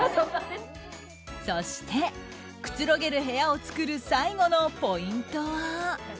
そして、くつろげる部屋を作る最後のポイントは。